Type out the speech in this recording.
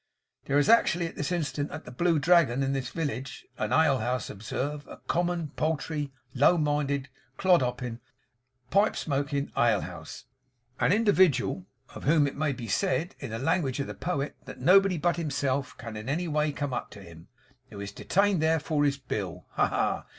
There is actually at this instant, at the Blue Dragon in this village an ale house, observe; a common, paltry, low minded, clodhopping, pipe smoking ale house an individual, of whom it may be said, in the language of the Poet, that nobody but himself can in any way come up to him; who is detained there for his bill. Ha! ha!